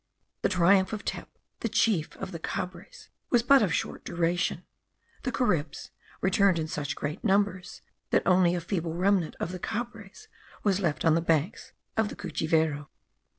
The triumph of Tep, the chief of the Cabres, was but of short duration. The Caribs returned in such great numbers that only a feeble remnant of the Cabres was left on the banks of the Cuchivero.